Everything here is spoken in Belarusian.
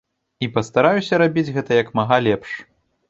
І пастараюся рабіць гэта як мага лепш.